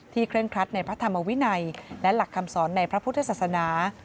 เคร่งครัดในพระธรรมวินัยและหลักคำสอนในพระพุทธศาสนา